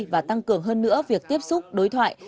và tăng cường hơn nữa việc tiếp xúc đối thoại